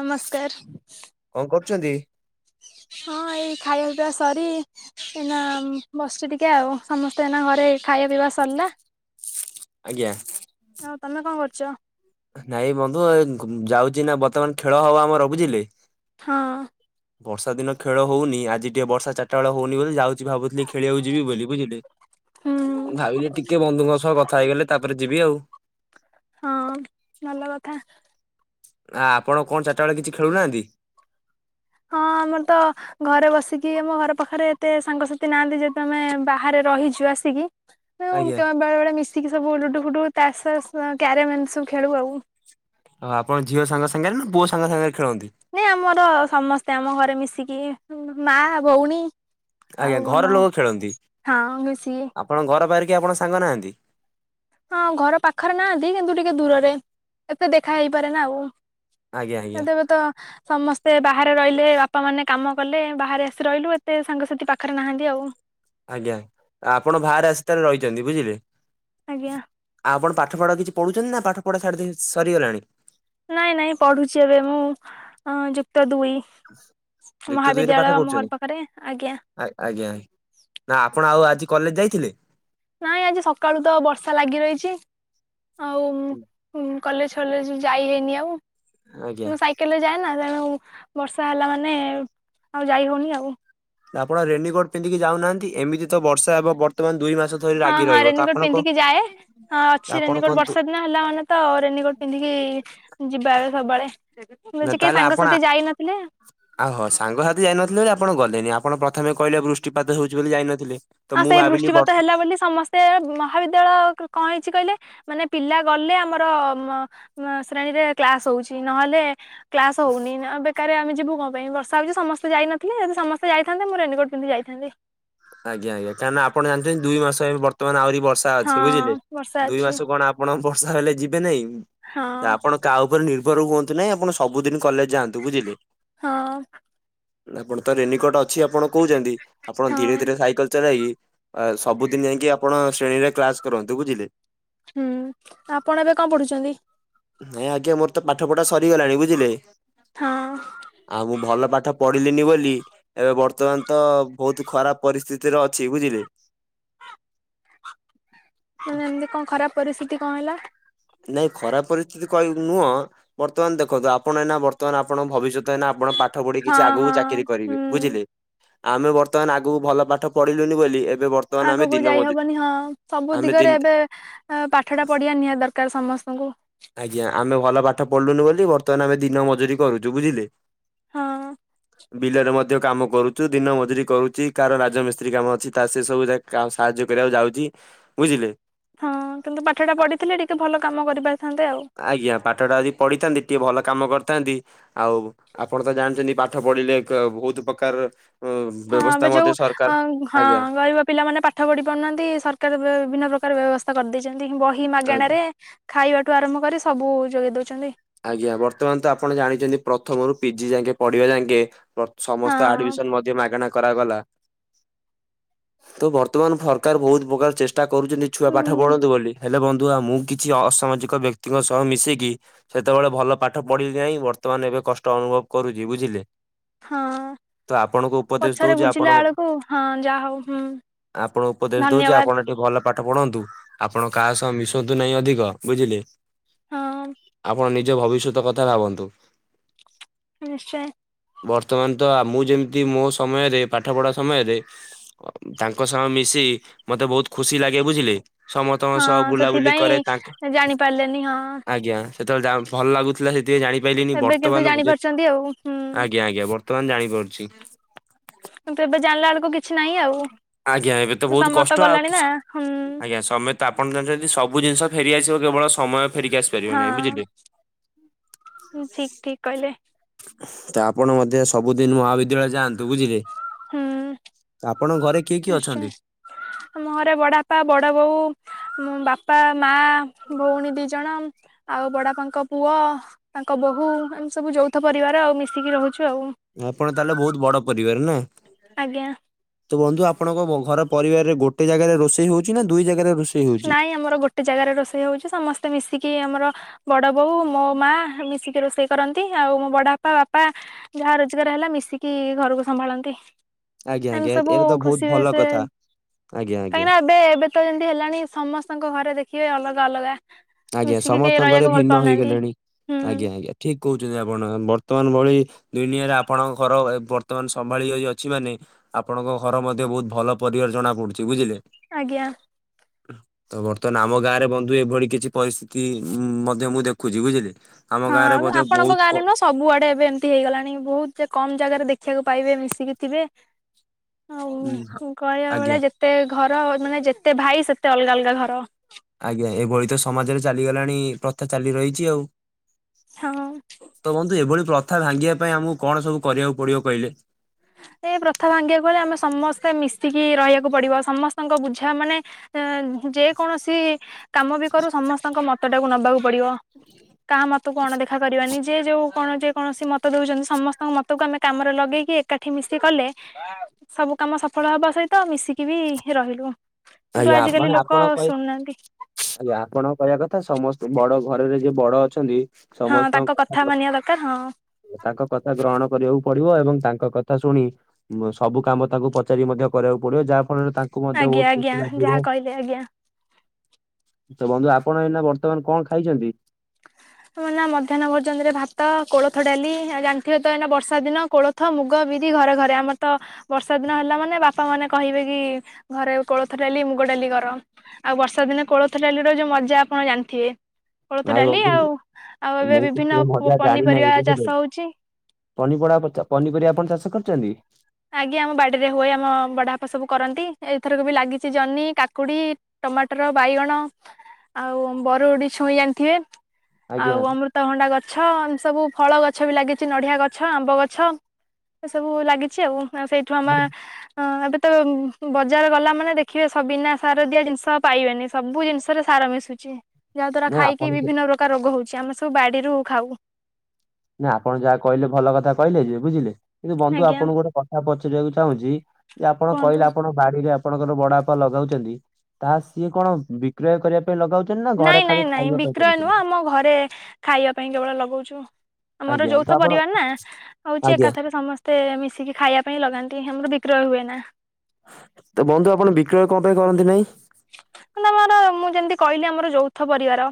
ନମସ୍କାର। କଣ କରୁଛନ୍ତି? ହଁ ଏଇ ଖାଇବା ପିଇବା ସରି। ଏଇନା ବସିଛି ଟିକେ ଆଉ ସମସ୍ତେ ଏଇନା ଘରେ ଖାଇବା ପିଇବା ସରିଲା। ଆଜ୍ଞା। ଆଉ ତମେ କଣ କରୁଚ? ନାଇଁ ବନ୍ଧୁ ଏ ଯାଉଚି ନା ବର୍ତ୍ତମାନ ଖେଳ ହବ ଆମର ବୁଝିଲେ। ହଁ। ବର୍ଷା ଦିନ ଖେଳ ହଉନି ଆଜି ଟିକେ ବର୍ଷ ଚାରିଟା ବେଳ ହଉନି ବୋଲି ଯାଉ କିଛି ଭାବୁଥିଲ ଖେଳକୁ ଯିବି ବୋଲି ବୁଝିଲେ। ହୁଁ ଭାବିଲି ଟିକେ ବନ୍ଧୁଙ୍କ ସହ କଥା ହେଇଗଲେ ତାପରେ ଯିବି ଆଉ। ହଁ ଭଲ କଥା। ଆ ଆପଣ କଣ ଚାରିଟା ବେଳେ କିଛି ଖେଳୁନାହାନ୍ତି? ହଁ ଆମର ତ ଘରେ ବସିକି ଆମ ଘର ପାଖରେ ଏତେ ସାଙ୍ଗସାଥି ନାହାନ୍ତି ଯେହେତୁ ଆମେ ବାହାରେ ରହିଛୁ ଆସିକି। ଆଜ୍ଞା ବେଳେ ବେଳେ ମିଶିକି ସବୁ ଲୁଡୁ ଫୁଡୁ ତାସ୍ ଫାସ୍ କ୍ୟାରମ ସବୁ ଖେଳୁ ଆଉ। ହ ଆପଣ ଝିଅ ସାଙ୍ଗ ସାଙ୍ଗରେ ନା ପୁଅ ସାଙ୍ଗ ସାଙ୍ଗରେ ଖେଳନ୍ତି? ନାଇ ଆମର ସମସ୍ତେ ଆମ ଘରେ ମିଶିକି ମା ଭଉଣୀ। ଆଜ୍ଞା ଆଉ ଆମ ଘର ଲୋକ ଖେଳନ୍ତି। ହଁ ମିଶିକି। ଆପଣ ଘର ପାଖରେ କେହି ଆପଣ ସାଙ୍ଗ ନାହାନ୍ତି? ହଁ ଘର ପାଖରେ ନାହାନ୍ତି କିନ୍ତୁ ଟିକେ ଦୂରରେ ଏତେ ଦେଖା ହେଇପାରେ ନା ଆଉ। ଆଜ୍ଞା ସେ ଆଜ୍ଞା ଦେବେ ତ ସମସ୍ତେ ବାହାରେ ରହିଲେ ବାପା ମାନେ। କାମ କଲେ ବାହାରେ ଆସି ରହିଲୁ ଏତେ ସାଙ୍ଗସାଥି ପାଖରେ ନାହାନ୍ତି ଆଉ। ଆଜ୍ଞା ଆପଣ ବାହାରେ ଆସି ତାରେ ରହିଛନ୍ତି ବୁଝିଲେ। ଆଜ୍ଞା। ଆଉ ଆପଣ ପାଠପଢ଼ କିଛି ପଢ଼ୁଛନ୍ତି ନା ପାଠ ପଢା ସାଡି ଦେଇ ସରିଗଲାଣି। ନାଇଁ ନାଇଁ ପଢୁଛି ଏବେ ମୁଁ ଯୁକ୍ତ ଦୁଇ। ଯୁକ୍ତ ଦୁଇରେ ପାଠ ମହାବିଦ୍ୟାଳୟ ଆମ ପଢୁଛନ୍ତି? ଘର ପାଖରେ ଆଜ୍ଞା। ଆ ଆଜ୍ଞା ନା ଆପଣ ଆଉ ଆଜି କଲେଜ ଯାଇଥିଲେ? ନାଇଁ ଆଜି ସକାଳୁ ତ ବର୍ଷା ଲାଗି ରହିଛି ଆଉ କଲେଜ ଫଲେଜ ଯାଇ ହେଇନି ଆଜ୍ଞା ଆଉ ସାଇକେଲେ ଯାଏନା ତେଣୁ ବର୍ଷା ହେଲା ମାନେ ଆଉ ଯାଇ ହଉନି ଆଉ। ଆପଣ ରେନିକୋଟ ପିନ୍ଧିକି ଯାଉନାହାନ୍ତି ଏମିତି ତ ବର୍ଷା ହେବ ବର୍ତ୍ତମାନ ଦୁଇ ମାସ ଧରି ହଁ ଲାଗି ହଁ ରହିବ ତ ରେନିକୋଟ ଆପଣ କ ପିନ୍ଧିକି ଯାଏ ହଁ ଅଛି ଆପଣ ରେନିକୋଟ କନ୍ତୁ ବର୍ଷା ଦିନା ହେଲା ମାନେ ତ ରେନିକୋଟ ପିନ୍ଧିକି ଯିବା ସବୁବେଳେ। [unintelligible] ସାଙ୍ଗସାଥି ଯାଇନଥିଲେ। ଆଉ ହୋ ସାଙ୍ଗସାଥି ଯାଇନଥିଲେ ବୋଲି ଆପଣ ଗଲେନି ଆପଣ ପ୍ରଥମେ କହିଲେ ବୃଷ୍ଟିପାତ ହଉଛି ବୋଲି ଯାଇନଥିଲେ। ତ ଆ ମୁଁ ସେଇ ଭାବିଲି ବ ବୃଷ୍ଟିପାତ ହେଲା ବୋଲି ସମସ୍ତେ ସେ ମହାବିଦ୍ୟାଳୟ କଣ ହେଇଛି କହିଲେ ମାନେ ପିଲା ଗଲେ ଆମର ଶ୍ରେଣୀରେ କ୍ଲାସ ହଉଛି ନହେଲେ କ୍ଲାସ ହଉନି ଅବେ କାରେ ଆମେ ଯିବୁ କଣ ପାଇଁ ବର୍ଷା ହଉଛି ସମସ୍ତେ ଯାଇନଥିଲେ ଯଦି ସମସ୍ତେ ଯାଇଥାନ୍ତେ ମୁ ରେନିକୋଟ ପିନ୍ଧିକି ଯାଇଥାନ୍ତି। ଆଜ୍ଞା ଆଜ୍ଞା କାହିଁନା ଆପଣ ଜାଣିଥିବେ ଦୁଇ ମାସ ଏବେ ବର୍ତ୍ତମାନ ଆହୁରି ବର୍ଷା ଅଛି ବୁଝିଲେ ହଁ ବର୍ଷା ଦୁଇ ଅଛି ମାସ କଣ ଆ ଆପଣ ବର୍ଷା ହେଲେ ଯିବେ ନାଇଁ ହଁ ଆପଣ କାହା ଉପରେ ନିର୍ଭର ହୁଅନ୍ତୁ ନାଇଁ ଆପଣ ସବୁଦିନ କଲେଜ ଯାଆନ୍ତୁ ବୁଝିଲେ। ହଁ ଆପଣ ତ ରେନିକଟ ଅଛି ଆପଣ କହୁଛନ୍ତି ଆପଣ ଧୀରେ ହଁ ଧୀରେ ସାଇକେଲ ଚଲାଇ ସବୁଦିନ ଯାଇକି ଆପଣ ଶ୍ରେଣୀରେ କ୍ଲାସ କରନ୍ତୁ ବୁଝିଲେ। ହୁଁ ଆପଣ ଏବେ କଣ ପଢୁଛନ୍ତି। ନାଇଁ ଆଜ୍ଞା ମୋର ତ ପାଠ ପଢା ସରିଗଲାଣି ବୁଝିଲେ। ହଁ। ଆଉ ମୁଁ ଭଲ ପାଠ ପଢିଲିନି ବୋଲି ଏବେ ବର୍ତ୍ତମାନ ତ ବହୁତ୍ ଖରାପ ପରିସ୍ଥିତିରେ ଅଛି ବୁଝିଲେ। ମାନେ ଏମିତି କଣ ଖରାପ ପରିସ୍ଥିତି କଣ ହେଲା। ନାଇଁ ଖରାପ ପରିସ୍ଥିତି କହିବ ନୁହଁ। ବର୍ତ୍ତମାନ ଦେଖନ୍ତୁ ଆପଣ ଏନା ବର୍ତ୍ତମାନ ଆପଣ ଭବିଷ୍ୟତ ଏଇ ଆପଣ ପା ପାଠ ପଢି ହଁ କିଛି ହଁ ଆଗକୁ ଚାକିରି କରିବେ ହୁଁ ବୁଝିଲେ ଆମେ ବର୍ତ୍ତମାନ ଆଗକୁ ଭଲ ପାଠ ପଢିଲୁନି ବୋଲି ଏବେ ବର୍ତ୍ତମାନ ଆମେ ଆଗକୁ ଦିନ ଯାଇ ମଜୁ ହବନି ହଁ ସବୁ ଆମେ ଦିନ ଦିଗରେ ଏବେ ପାଠଟା ପଢ଼ିବା ନିହାତି ଦରକାର ସମସ୍ତଙ୍କୁ। ଆଜ୍ଞା ଆମେ ଭଲ ପାଠ ପଢିଲୁନୁ ବୋଲି ବର୍ତ୍ତମାନ ଆମେ ଦିନ ମଜୁରି କରୁଛୁ ବୁଝିଲେ। ହଁ। ବିଲରେ ମଧ୍ୟ କାମ କରୁଚୁ ଦିନ ମଜୁରି କରୁଚି କାହାର ରାଜମିସ୍ତ୍ରୀ କାମ ଅଛି ତା ସେ ସବୁ ଯା କାକୁ ସାହାଯ୍ୟ କରିବାକୁ ଯାଉଛି ବୁଝିଲେ। ହଁ କିନ୍ତୁ ପାଠଟା ପଢ଼ିଥିଲେ ଟିକେ ଭଲ କାମ କରିପାରିଥାନ୍ତେ ଆଉ। ଆଜ୍ଞା ପାଠଟା ଆଜି ପଢିଥାନ୍ତି ଟିକେ ଭଲ କାମ କରିଥାନ୍ତି ଆଉ ଆପଣ ତ ଜାଣିଛନ୍ତି ପାଠ ପଢିଲେ ବହୁତ ପ୍ରକାର ଅ ହଁ ବ୍ୟବସ୍ଥା ଏବେ ମଧ୍ୟ ଯୋଉ ସରକାର ଅଂ ହଁ ଆଜ୍ଞା ଗରିବ ପିଲା ମାନେ ପା ପାଠ ପଢି ପାରୁନାହାନ୍ତି ସରକାର ବିଭିନ୍ନ ପ୍ରକାର ବ୍ୟବସ୍ଥା କରିଦେଇଛନ୍ତି ବହି ଆଜ୍ଞା ମାଗଣାରେ ଖାଇବାଠୁ ଆରମ୍ଭ କରି ସବୁ ଯୋଗାଇ ଦେଉଛନ୍ତି। ଆଜ୍ଞା ବର୍ତ୍ତମାନ ତ ଆପଣ ଜାଣିଛନ୍ତି ପ୍ରଥମରୁ ପିଜି ଯାଇକେ ପଢିବା ଯାଙ୍କେ ହଁ ସମସ୍ତ ଆଡମିସନ ମଧ୍ୟ ମାଗଣା କରାଗଲା। ତ ବର୍ତ୍ତମାନ ସରକାର ବହୁତ ପ୍ରକାର ଚେଷ୍ଟା କରୁଛନ୍ତି ଛୁଆ ପାଠ ହୁଁ ପଢନ୍ତୁ ବୋଲି ହେଲେ ବନ୍ଧୁ ମୁଁ କିଛି ଅସାମାଜିକ ବ୍ୟକ୍ତିଙ୍କ ସହ ମିଶିକି ସେତେବେଳେ ଭଲ ପାଠ ପଢିଲି ନାହିଁ ବର୍ତ୍ତମାନ ଏବେ କଷ୍ଟ ଅନୁଭବ କରୁଛି ବୁଝିଲେ। ହଁ ତ ଆପଣଙ୍କୁ ଉପଦେଶ ପଛରେ ଦଉଛି ଆପଣ ବୁଝିଲା ଳାକୁ ହଁ ଯାହା ହଉ ହୁଁ। ଆପଣ ଉପଦେଶ ଦଉଛି ଧନ୍ୟବାଦ ଆପଣ ଟିକେ ଭଲ ପାଠ ପଢନ୍ତୁ ଆପଣ କାହା ସହ ମିଶନ୍ତୁ ନାହିଁ ଅଧିକ ବୁଝିଲେ। ହଁ। ଆପଣ ନିଜ ଭବିଷ୍ୟତ କଥା ଭାବନ୍ତୁ। ନିଶ୍ଚୟ। ବର୍ତ୍ତମାନ ତ ଆ ମୁଁ ଯେମିତି ମୋ ସମୟରେ ପାଠ ପଢ଼ା ସମୟରେ ତାଙ୍କ ସହ ମିଶି ମତେ ବହୁତ ଖୁସି ଲାଗେ ବୁଝିଲେ। ସମସ୍ତଙ୍କ ହଁ ସହ ବୁଲାବୁଲି କରେ ତାଙ୍କ ସେଥିପାଇଁ ଜାଣି ପାରିଲେନି ହଁ ଆଜ୍ଞା। ସେତେ ବେଳେ ଯା ଭଲ ଲାଗୁଥିଲା ସେତିିରେ ଜାଣି ପାଇଲିିନି ଏବେ କିନ୍ତୁ ବର୍ତ୍ତମାନ ଜାଣିପାରୁଛନ୍ତି ଆଉ ହୁଁ। ଆଜ୍ଞା ଆଜ୍ଞା ବ ବର୍ତ୍ତମାନ ଜାଣିପାରୁଛି। କିନ୍ତୁ ଏବେ ଜାଣିଲା ଳକୁ କିଛି ନାହିଁ ଆଉ। ଆଜ୍ଞା ଏବେ ତ ସେ ବହୁତ ସମୟ କଷ୍ଟ ଆଉ ଗଲାଣି ନା କିଛି ହୁଁ ଆଜ୍ଞା ସମେ ତ ଆପଣ ଜାଣିଛନ୍ତି ସବୁ ଜିନିଷ ଫେରି ଆସିବ କେବଳ ସମୟ ଫେରିକି ଆସି ଫେରିବ ନାଇଁ ବୁଝିଲେ। ହଁ। ଠିକ ଠିକ କହିଲେ ତା ଆପଣ ମଧ୍ୟ ସବୁଦିନ ମହାବିଦ୍ୟାଳୟ ଯାଆନ୍ତୁ ବୁଝିଲେ ହୁଁ ଆପଣଙ୍କ ଘରେ କିଏ କିଏ ନିଶ୍ଚୟ ଅଛନ୍ତି? ଆମ ଘରେ ବଡପା ବଡ ବୋଉ ମୁଁ ବାପା ମା ଭଉଣୀ ଦି ଜଣ ଆଉ ବଡ ବାପାଙ୍କ ପୁଅ ତାଙ୍କ ବୋହୂ ଏମିତି ସବୁ ଯୌଥ ପରିବାର ଆଉ ମିଶିକି ରହୁଛୁ ଆଉ। ଆପଣ ତାହେଲେ ବହୁତ ବଡ ପରିବାର ନୁହେଁ। ଆଜ୍ଞା। ତ ବନ୍ଧୁ ଆପଣଙ୍କ ଘର ପରିବାରରେ ଗୋଟେ ଜାଗାରେ ରୋଷେଇ ହଉଛି ନା ଦୁଇ ଜାଗାରେ ରୋଷେଇ ହଉଛି? ନାଇଁ ଆମର ଗୋଟେ ଜାଗାରେ ରୋଷେଇ ହଉଛି ସମସ୍ତେ ମିଶିକି ଆମର ବଡ ବୋଉ ମୋ ମା ମିଶିକି ରୋଷେଇ କରନ୍ତି ଆଉ ମୋ ବଡପା ବାପା ଯାହା ରୋଜଗାର ହେଲା ମିଶିକି ଘରକୁ ସମ୍ଭାଳନ୍ତି। ଆଜ୍ଞା ଏମ ଆଜ୍ଞା ସବୁ ଏଇଟା ତ ବହୁତ ଖୁସିରେ ଭଲ ସେ କଥା ଆଜ୍ଞା ଆଜ୍ଞା। କାହିଁକି ନା ଏବେ ଏବେ ଟ ଯେମିତି ହେଲାଣି ସମସ୍ତଙ୍କ ଘରେ ଦେଖିବେ ଅଲଗା ଅଲଗା ଆଜ୍ଞା ମିଶିକି କେହି ସମସ୍ତଙ୍କରେ ରହିବାକୁ ଭଲ ଭିନ୍ନ ପାଉନାହାନ୍ତି ହେଇଗଲେଣି ହୁଁ ଆଜ୍ଞା ଆଜ୍ଞା ଠିକ କହୁଛନ୍ତି ଆପଣ ବର୍ତ୍ତମାନ ଭଳି ଦୁନିଆରେ ଆପଣଙ୍କ ଘର ବର୍ତ୍ତମାନ ସମ୍ଭାଳି ହଇ ଅଛି ମାନେ ଆପଣଙ୍କ ଘର ମଧ୍ୟ ବହୁତ ଭଲ ପରିବାର ଜଣା ପଡୁଛି ବୁଝିଲେ। ଆଜ୍ଞା। ତ ବର୍ତ୍ତମାନ ଆମ ଗାଁ ରେ ବନ୍ଧୁ ଏଭଳି କିଛି ପରିସ୍ଥିତି ଉଁ ମଧ୍ୟ ମୁଁ ଦେଖୁଛି ବୁଝିଲେ। ଆମ ହଁ ଗାଁରେ ମଧ୍ୟ ଆପଣଙ୍କ ବହୁତ ଗାଁ କ ରେ ନୁସ୍ ସବୁଆଡେ ଏବେ ଏମିତି ହେଇଗଲାଣି ବହୁତ ଜେ କମ୍ ଜାଗାରେ ଦେଖିବାକୁ ପାଇବେ ମିଶିକି ଥିବେ ଆଉ ଉଁ କହିବା ଆଜ୍ଞା ବେଳେ ଯେତ୍ ଟେ ଘର ମାନେ ଯେତେ ଭାଇ ସେତେ ଅଲଗା ଅଲଗା ଘର। ଆଜ୍ଞା ଏଭଳି ତ ସମାଜରେ ଚାଲିଗଲାଣି ପ୍ରଥା ଚାଲି ରହିଚି ଆଉ। ହଁ। ତ ବନ୍ଧୁ ଏଭଳି ପ୍ରଥା ଭାଙ୍ଗିବା ପାଇଁ ଆମକୁ କଣ ସବୁ କରିବାକୁ ପଡିବ କହିଲେ? ସେ ପ୍ରଥା ଭାଙ୍ଗିବାକୁ ଗଲେ ଆମେ ସମସ୍ତେ ମିଶିକି ରହିବାକୁ ପଡିବ ସମସ୍ତଙ୍କ ବୁଝା ମାନେ ଏଁ ଯେକୌଣସି କାମ ବି କରୁ ସମସ୍ତଙ୍କ ମତ ଟାକୁ ନବାକୁ ପଡିବ। କା ମତକୁ ଅଣଦଖା କରିବାନି ଯେ ଯୋଉ କଣ ଯେ କୌଣସି ମତ ଦଉଚନ୍ତି ସମସ୍ତଙ୍କ ମତକୁ ଆମେ କାମରେ ଲଗେଇକି ଏ ଏକାଠି ମିଶି କଲେ ସବୁ କାମ ସଫଳ ହବା ସହିତ ମିଶିକି ବି ରହିଲୁ। କିନ୍ତୁ ଆଜ୍ଞା ଆଜିକାଲି ମାନେ ଆପଣ ଲୋକ କହିବା ଶୁଣୁନାହାନ୍ତି। ଆଜ୍ଞା ଆପଣଙ୍କ କହିବା କଥା ସମସ୍ତେ ବଡ ଘରରେ ଯିଏ ବଡ ଅଛନ୍ତି ହଁ ତାଙ୍କ କଥା ମାନିବା ଦରକାର୍ ହଁ। ତାଙ୍କ କଥା ଗ୍ରହଣ କରିବାକୁ ପଡିବ ଏବଂ ତାଙ୍କ କଥା ଶୁଣି ବ ସବୁ କାମ ତାଙ୍କୁ ପଚାରି ମଧ୍ୟ କରିବାକୁ ପଡିବ ଯାହା ଫଳରେ ତାଙ୍କୁ ମଧ୍ୟ ଆଜ୍ଞା ବହୁତୁ ଆଜ୍ଞା ଯାହା କହିଲେ ଆଜ୍ଞା। ତ ବନ୍ଧୁ ଆପଣ ଏଇନା ବର୍ତ୍ତମାନ୍ କଣ ଖାଇଚନ୍ତି? ତ ନା ମଧ୍ୟାହ୍ନ ଭୋଜନରେ ଭାତ, କୋଳଥ ଡାଲି ଆଉ ଜାଣିଥିବ ତ ଏଇନା ବର୍ଷା ଦିନ କୋଳ ଥ, ମୁଗ, ବିରି ଘରେ ଘରେ ଆମର ତ ବର୍ଷା ଦିନ ହେଲା ମାନେ ବାପା ମାନେ କହିବେ କି ଘରେ କୋଳଥ ଡାଲି ମୁଗ ଡାଲି କର। ଆଉ ବର୍ଷା ଦିନେ କୋଳଥ ଡାଲି ଯଉଟା ଯଉ ମଜା ଆପଣ ଜାଣିଥିବେ। କୋଳଥ ନାଇଁ ଡାଲି ଆଉ ଆଉ ବନ୍ଧୁ ଏବେ ମୁଁ ତ ବିଭିନ୍ନ ସେ ମଜା ଜାଣିିନାଇ ପନିପରିବା ଚାଷ ବୁଝିଲେ। ହଉଛି ପନି ପଡାପତ ପନିପରିବା ଆପଣ ଚାଷ କରୁଚନ୍ତି? ଆଜ୍ଞା ଆମ ବାଡିରେ ହୁଏ ଆମ ବଡ ବାପା ସବୁ କରନ୍ତି ଏଥରକୁ ବି ଲାଗିଛି ଜନି, କାକୁଡି ଟମାଟର, ବାଇଗଣ, ଆଉ ବରଗୁଡି ଛୁଇଁ ଜାଣିଥିବେ ଆଉ ଆଜ୍ଞା ଅମୃତ୍ ତ ଭଣ୍ଡା ଗଛ ଏମ ସବୁ ଫଳ ଗଛ ବି ଲାଗିଚି ନଡ଼ିଆ ଗଛ ଆମ୍ବ ଗଛ ଏ ସବୁ ଲାଗି ଚି ଆଉ ସେଇଠୁ ଆମେ ହଁ ଏବେ ତ ବଜାର ଗଲା ମାନେ ଦେଖିବେ ସ- ବିନା ସାର ଦିଆ ଜିନିଷ ପାଇବେନି ସବୁ ଜିନିଷରେ ସାର ମିଶୁଚି। ଚି ଯାହା ଦ୍ଵାରା ନା ଖାଇକି ଆପଣ ବିଭିନ୍ନ ପ୍ରକାର ରୋଗ ହଉଚି। ଆମେ ସବୁ ବାଡିରୁ ଖାଉ। ନା ଆପଣ ଯାହା କହିଲେ ଭଲ କଥା କହିଲେ ଯେ ବୁଝିଲେ କିନ୍ତୁ ବନ୍ଧୁ ଆଜ୍ଞା ଆପଣଙ୍କୁ ଗୋଟେ କଥା ପଚାରିବାକୁ ଚାହୁଁଚି ଯେ ଆପଣ କୁହନ୍ତୁ କହିଲେ ଆପଣ ବାଡିରେ ଆପଣଙ୍କର ବଡପା ଲଗଉଚନ୍ତି ତାହା ସିଏ କଣ ବିକ୍ରୟ କରିବା ଲଗାଉଚନ୍ତି ନା। ନାଇଁ ଘରେ ଖାଲି ନାଇଁ ନାଇଁ ଖାଇବା ପାଇଁ ବିକ୍ରୟ ନୁହଁ କରୁଛନ୍ତି? ଆମ ଘରେ ଖାଇବା ପାଇଁ କେବଳ ଲଗଉଚୁ ଆମର ଆଜ୍ଞା ତ ଯୌଥ ଆପଣ ପରିବାର ନା ହଉଚି ଆଜ୍ଞା ଏକାଥରେ ସମସ୍ତେ ତେ ମିଶିକି ଖାଇବା ପାଇଁ ଲଗାନ୍ତି ଆମର ବିକ୍ରୟ ହୁଏ ନା। ତ ବନ୍ଧୁ ଆପଣ ବିକ୍ରୟ କଣ ପାଇଁ କରନ୍ତି ନାଇଁ? ମାନେ ଆମର ମୁଁ ଯେମିତି କହିଲି ଆମର ଯୌଥ ପରିବାର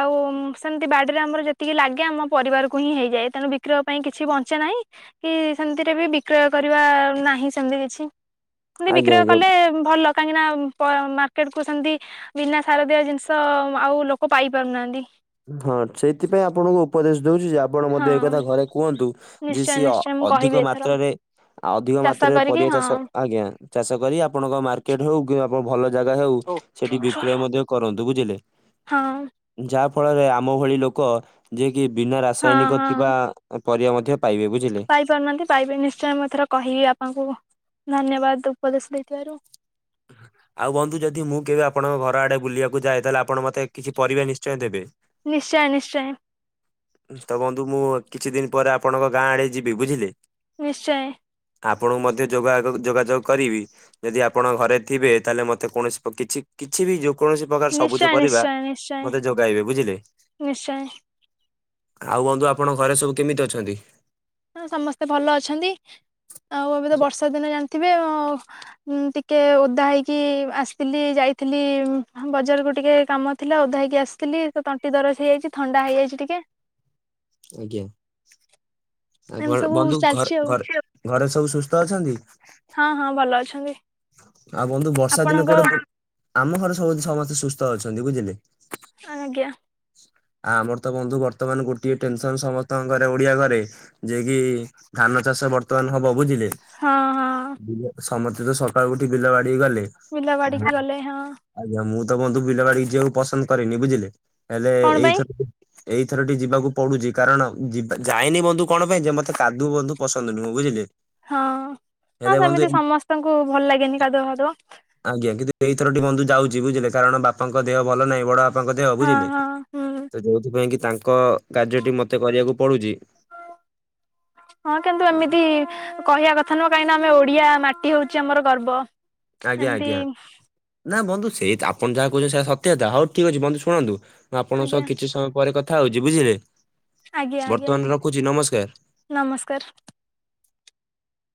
ଆଉ ସେମିତି ବାଡିରେ ଆମର ଯେତିକି ଲାଗେ ଆମ ପରିବାରକୁ ହିଁ ହେଇଯାଏ ତେଣୁ ବିକ୍ରୟ ପାଇଁ କିଛି ବଞ୍ଚେ ନାହିଁ କି ସେମିତିରେ ବି ବିକ୍ରୟ କରିବା ନାହିଁ ସେମିତି କିଛି। ସେମତି ଆଜ୍ଞା ବିକ୍ରୟ ଆଜ୍ଞା କଲେ ଭଲ କାହିଁକି ନା ପ-ମା କୁ ସେମିତି ବିନା ସାର ଦିଆ ଜିନିଷ ଆଉ ଲୋକ ପାଇ ପାରୁନାହାନ୍ତି। ହଁ ସେଇଥିପାଇଁ ଆପଣଙ୍କୁ ଉପଦେଶ ଦଉଚି ଯେ ଆପ୍ ଆପଣ ହଁ। ମଧ୍ୟ ଏକଥା ଘରେ କୁହନ୍ତୁ ଯେ ନିଶ୍ଚୟ ସିଏ ନିଶ୍ଚୟ ମୁଁ କହିବି ଅଧିକ ଏଥର ମାତ୍ରାରେ ଆଉ ଅଧିକ ଚାଷ ମାତ୍ରାରେ କରିକି ପରିବା ହଁ ଚାଷ ଆଜ୍ଞା ଚାଷ କରି ଆପଣଙ୍କ ମାର୍କ ଟେ ହଉ କିବା ଆପଣ ଭଲ ଜାଗା ହଉ ସେଠି ହଁ। ବିକ୍ରୟ ମଧ୍ୟ କରନ୍ତୁ ବୁଝିଲେ? ଯାହା ଫଳରେ ଆମ ଭଳି ଲୋକ ଯିଏ କି ବିନା ହଁ ରାସାୟନିକ ଥିବା ହଁ ପରିବା ମଧ୍ୟ ପାଇବେ ବୁଝିଲେ। ପାଇପାରୁନାହାନ୍ତି। ପାଇବେ ନିଶ୍ଚୟ ମୁଁ ଏଥର କହିବି ଆପଣଙ୍କୁ। ଧନ୍ୟବାଦ ଉପଦେଶ ଦେଇଥିବାରୁ। [inaudible] ଆଉ ବନ୍ଧୁ ଯଦି ମୁଁ କେବେ ଆପଣଙ୍କ ଘର ଆଡେ ବୁଲିବାକୁ ଯାଏ ତାହେଲେ ଆପଣ ମତେ କିଛି ପରିବା ନିଶ୍ଚୟ ଦେବେ। ନିଶ୍ଚୟ ନିଶ୍ଚୟ। ତ ବନ୍ଧୁ ମୁଁ କିଛି ଦିନ ପରେ ଆପଣଙ୍କ ଗାଁ ଆଡେ ଯିବି ବୁଝିଲେ? ନିଶ୍ଚୟ। ଆପଣଙ୍କୁ ମଧ୍ୟ ଯୋଗ ଆଗକୁ- ଯୋଗାଯୋଗ କରିବି। ଯଦି ଆପଣ ଘରେ ଥିବେ। ତାଆଲେ ମତେ କୌଣସି କିଛି କିଛି ବି ଯୋଉ କୌଣସି ପ୍ରକାର ସବୁଜ ନିଶ୍ଚୟ ପରିବା ମତେ ଯୋଗାଇବେ ବୁଝିଲେ? ନିଶ୍ଚଏ। ଆଉ ବନ୍ଧୁ ଆପଣଙ୍କ ଘରେ ସବୁ କେମିତି ଅଛନ୍ତି? ସମସ୍ତେ ଭଲ ଅଛନ୍ତି। ଆଉ ଏବେ ତ ବର୍ଷା ଦିନ ଜାଣିଥିବେ ଆଉ। ଟିକେ ଓଦା ହେଇକି ଆସିଥିଲି। ଯାଇଥିଲି ବଜାରକୁ ଟିକେ କାମ ଥିଲା ଓଦା ହେଇକି ଆସିଥିଲି। ତଣ୍ଟି ଦରଜ ହେଇଯାଇଛି ଥଣ୍ଡା ହେଇଯାଇଛି ଟିକେ। ଆଜ୍ଞା। ଏମିତି ଆଉ ସବୁ ବନ୍ଧୁ ଚାଲିଛି ଘରେ ଆଉ ଘର ଘରେ ସବୁ ସୁସ୍ଥ ଅଛନ୍ତି? ହଁ ହଁ ଭଲ ଅଛନ୍ତି। ଆଉ ବନ୍ଧୁ ବର୍ଷା ଦିନ ଆପଣଙ୍କ କୁଆଡେ? ଆମ ଘରେ ସବୁ ସମସ୍ତେ ସୁସ୍ଥ ଅଛନ୍ତି ବୁଝିଲେ। ଆଜ୍ଞା। ଆ ଆମର ତ ବନ୍ଧୁ ବର୍ତ୍ତମାନ ଗୋଟିଏ ଟେନସନ ସମସ୍ତଙ୍କ ଘରେ ଓଡିଆ ଘରେ ଯେକି ଧାନ ଚାଷ ବର୍ତ୍ତମାନ ହବ ବୁଝିଲେ? ହଁ ହଁ। ସମସ୍ତେ ତ ସକାଳୁ ଉଠି ବିଲ ବାଡିିକି ଗଲେ। ବିଲ ବାଡିିକି ଗଲେ ହଁ। ଆଜ୍ଞା। ମୁଁ ତ ବନ୍ଧୁ ବିଲବାଡିକି ଯିବାକୁ ପସନ୍ଦ କରେନି ବୁଝିଲେ। ହେଲେ କଣ ପାଇଁ ଏଇଥ ଏଇଥରଟି ଯିବାକୁ ପଡୁଛି କାରଣ ଯିବା ଯାଏନି ବନ୍ଧୁ କଣ ପାଇଁ ଯେ ମତେ କାଦୁଅ ବନ୍ଧୁ ପସନ୍ଦ ନୁହେଁ ବୁଝିଲେ? ହଁ। ହଁ ହେଲେ ବନ୍ଧୁ ସେମିତି ଏଇ- ସମସ୍ତଙ୍କୁ ଭଲ ଲାଗେନି କାଦୁଅ ଫାଦୁଅ। ଆଜ୍ଞା। କିନ୍ତୁ ଏଇଥରଟି ବନ୍ଧୁ ଯାଉଛି ବୁଝିଲେ କାରଣ ବାପାଙ୍କ ଦେହ ଭଲ ନାହିଁ। ବଡାଆ ବାପାଙ୍କ ଦେହ ହଁ ବୁଝିଲେ ହଁ ହୁଁ ତ ଯୋଉଥିପାଇଁ କି ତାଙ୍କ କାର୍ଯ୍ୟଟି ମତେ କରିଆକୁ ପଡୁଛି। ହଁ କିନ୍ତୁ ଏମିତି କହିବା କଥା ନୁହଁ କାହିଁକିନା ଆମେ ଓଡିଆ ମାଟି ହଉଛି ଆମର ଗର୍ବ। ଆଜ୍ଞା ଏମିତି ଆଜ୍ଞା। ନା ବନ୍ଧୁ ସେଇ ତ ଆପଣ ଯାହା କହୁଛନ୍ତି ସେ ସତ୍ୟତା ହଉ ଠିକ୍ ଅଛି ବନ୍ଧୁ ଶୁଣନ୍ତୁ। ମୁଁ ଆପଣଙ୍କ ଆଜ୍ଞା ସହ କିଛି ସମୟ ପରେ କଥା ହଉଛି ବୁଝିଲେ। ଆଜ୍ଞା ଆଜ୍ଞା। ବର୍ତ୍ତମାନ ରଖୁଛି ନମସ୍କାର। ନମସ୍କାର।